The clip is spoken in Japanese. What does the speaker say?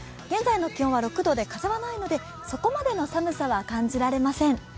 現在の気温は６度で風はないのでそこまでの寒さは感じられません。